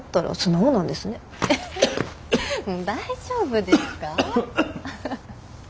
もう大丈夫ですか？